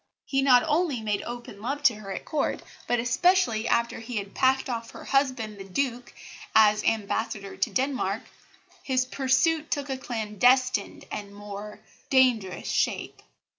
He not only made open love to her at Court, but, especially after he had packed off her husband, the Duke, as Ambassador to Denmark, his pursuit took a clandestine and more dangerous shape.